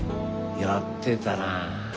やってたなあ。